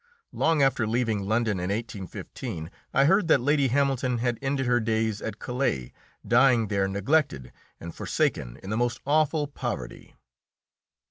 Long after leaving London, in 1815, I heard that Lady Hamilton had ended her days at Calais, dying there neglected and forsaken in the most awful poverty.